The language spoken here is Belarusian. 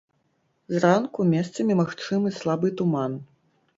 Зранку месцамі магчымы слабы туман.